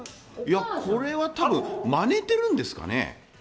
これは多分、マネてるんですかね。